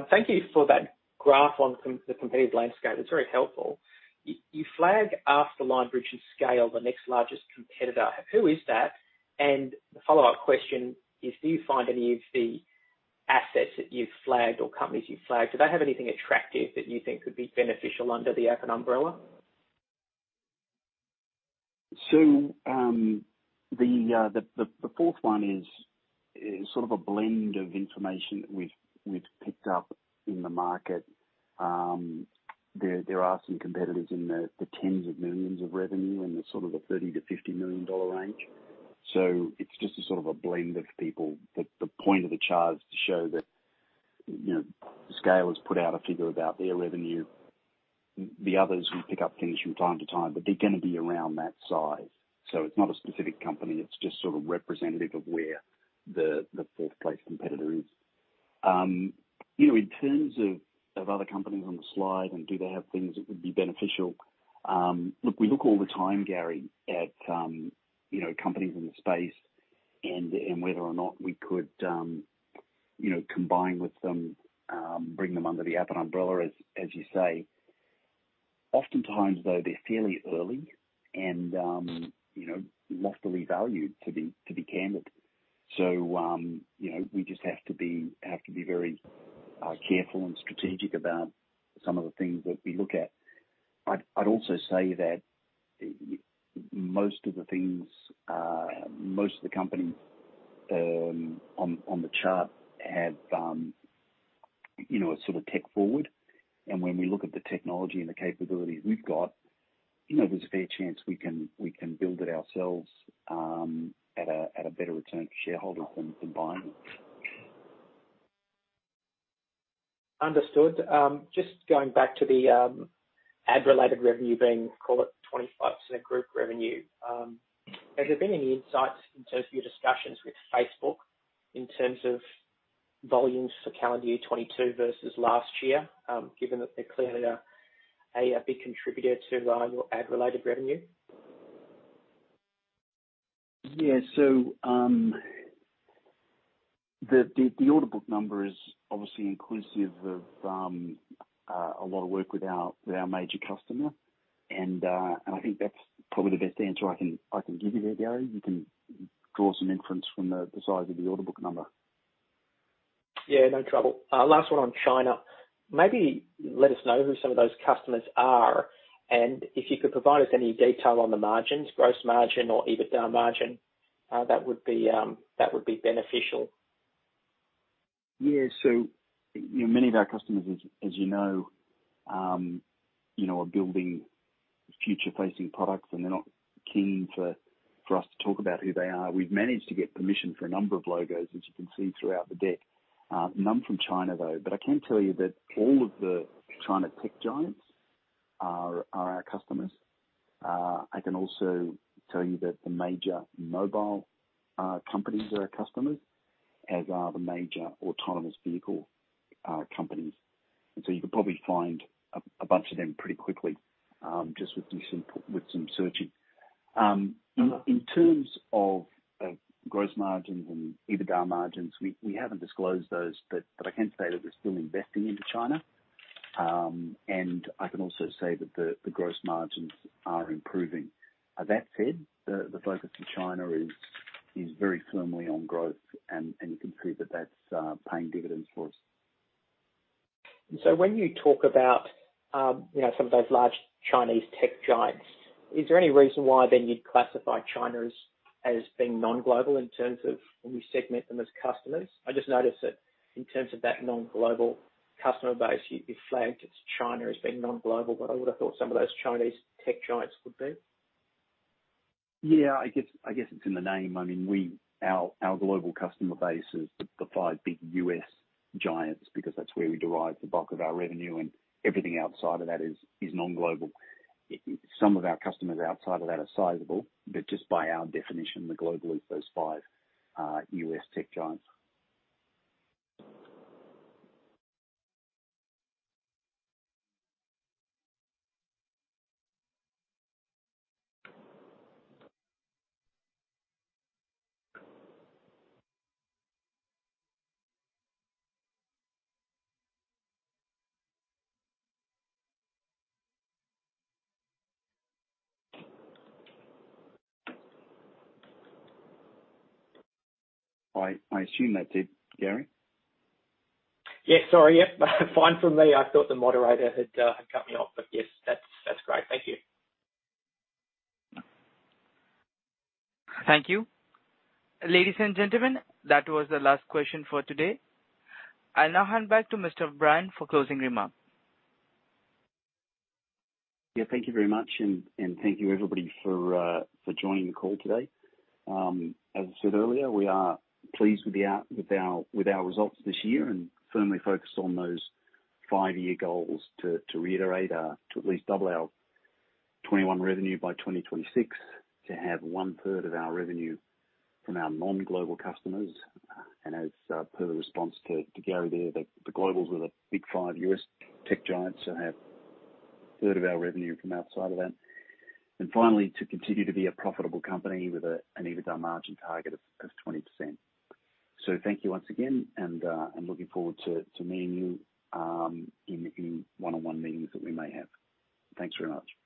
Thank you for that graph on the competitive landscape. It's very helpful. You flag after Lionbridge and Scale, the next largest competitor. Who is that? The follow-up question is, do you find any of the assets that you've flagged or companies you've flagged, do they have anything attractive that you think could be beneficial under the Appen umbrella? The fourth one is a blend of information that we've picked up in the market. There are some competitors in the tens of millions of revenue in the $30 million-$50 million range. It's just a blend of people. The point of the chart is to show that, you know, Scale has put out a figure about their revenue. The others, we pick up things from time to time, but they're gonna be around that size. It's not a specific company. It's just representative of where the fourth place competitor is. You know, in terms of other companies on the slide and do they have things that would be beneficial, look, we look all the time, Gary, at you know, companies in the space and whether or not we could you know, combine with them, bring them under the Appen umbrella as you say. Oftentimes, though, they're fairly early and you know, loftily valued to be candid. You know, we just have to be very careful and strategic about some of the things that we look at. I'd also say that most of the companies on the chart have you know, are tech forward. When we look at the technology and the capabilities we've got, you know, there's a fair chance we can build it ourselves at a better return to shareholders than combining. Understood. Just going back to the ad-related revenue being, call it 25% group revenue. Has there been any insights in terms of your discussions with Facebook in terms of volumes for calendar year 2022 versus last year, given that they're clearly a big contributor to your ad-related revenue? The order book number is obviously inclusive of a lot of work with our major customer. I think that's probably the best answer I can give you there, Garry. You can draw some inference from the size of the order book number. Yeah, no trouble. Last one on China. Maybe let us know who some of those customers are, and if you could provide us any detail on the margins, gross margin or EBITDA margin, that would be beneficial? Yeah. You know, many of our customers, as you know, are building future-facing products, and they're not keen for us to talk about who they are. We've managed to get permission for a number of logos, as you can see throughout the deck. None from China, though. I can tell you that all of the China tech giants are our customers. I can also tell you that the major mobile companies are our customers, as are the major autonomous vehicle companies. You could probably find a bunch of them pretty quickly, just with some searching. In terms of gross margins and EBITDA margins, we haven't disclosed those, but I can say that we're still investing into China. I can also say that the gross margins are improving. That said, the focus in China is very firmly on growth and you can see that that's paying dividends for us. When you talk about, you know, some of those large Chinese tech giants, is there any reason why then you'd classify China as being non-global in terms of when we segment them as customers? I just noticed that in terms of that non-global customer base, you flagged it's China as being non-global. I would have thought some of those Chinese tech giants would be. I guess it's in the name. I mean, our global customer base is the five big U.S. giants because that's where we derive the bulk of our revenue, and everything outside of that is non-global. Some of our customers outside of that are sizable, but just by our definition, the global is those five U.S. tech giants. I assume that did, Garry. Yes. Sorry. Yep. Fine from me. I thought the moderator had cut me off, but yes, that's great. Thank you. Thank you. Ladies and gentlemen, that was the last question for today. I'll now hand back to Mark Brayan for closing remark. Yeah, thank you very much, and thank you everybody for joining the call today. As I said earlier, we are pleased with our results this year and firmly focused on those five-year goals to reiterate to at least double our 2021 revenue by 2026, to have 1/3 of our revenue from our non-global customers. As per the response to Garry there, the globals are the big five U.S. tech giants and have 1/3 of our revenue from outside of that. Finally, to continue to be a profitable company with an EBITDA margin target of 20%. Thank you once again, and I'm looking forward to meeting you in one-on-one meetings that we may have. Thanks very much.